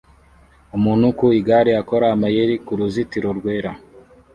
Umuntu ku igare akora amayeri kuruzitiro rwera